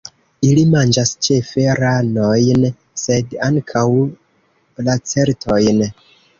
Ili manĝas ĉefe ranojn, sed ankaŭ lacertojn.